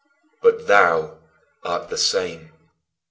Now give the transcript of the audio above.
"But thou art the same"!